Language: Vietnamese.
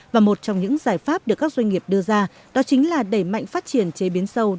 và một trong những giải pháp được các doanh nghiệp đưa ra đó chính là đẩy mạnh phát triển chế biến sâu